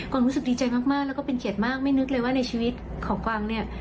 รู้สึกดีใจมากแล้วก็เป็นเกียรติมากไม่นึกเลยว่าในชีวิตของกวางเนี่ย